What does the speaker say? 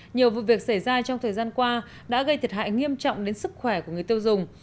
nhiều vụ việc xảy ra trong thời gian qua đã gây thiệt hại nghiêm trọng đến sức khỏe của người tiêu dùng